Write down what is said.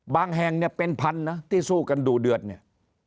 แห่งเนี่ยเป็นพันนะที่สู้กันดูเดือดเนี่ย